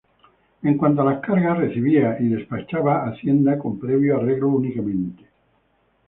En cuanto a las cargas, recibía y despachaba hacienda con previo arreglo únicamente.